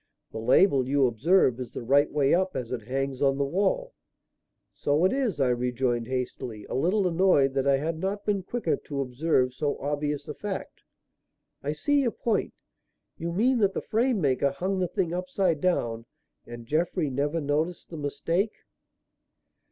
"The label, you observe, is the right way up as it hangs on the wall." "So it is," I rejoined hastily, a little annoyed that I had not been quicker to observe so obvious a fact. "I see your point. You mean that the frame maker hung the thing upside down and Jeffrey never noticed the mistake?"